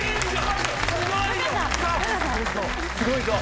すごいぞ。